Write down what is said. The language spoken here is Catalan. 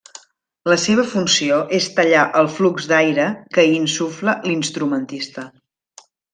La seva funció és tallar el flux d'aire que hi insufla l'instrumentista.